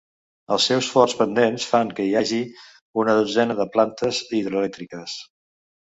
Els seus forts pendents fan que hi hagi una dotzena de plantes hidroelèctriques.